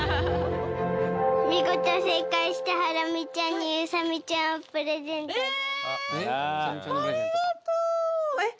見事正解したハラミちゃんにウサミちゃんをプレゼントですえ